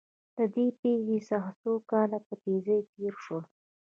له دې پېښې څخه څو کاله په تېزۍ تېر شول